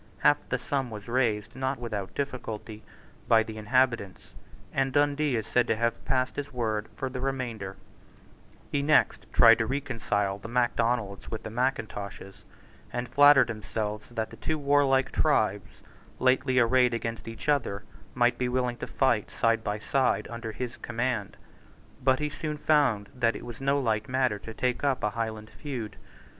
Half the sum was raised, not without difficulty, by the inhabitants; and Dundee is said to have passed his word for the remainder, He next tried to reconcile the Macdonalds with the Mackintoshes, and flattered himself that the two warlike tribes, lately arrayed against each other, might be willing to fight side by side under his command. But he soon found that it was no light matter to take up a Highland feud.